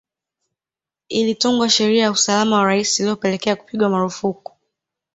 Ilitungwa sheria ya usalama wa raia ilyopelekea kupigwa marufuku